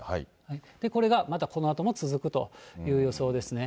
これが、またこのあとも続くという予想ですね。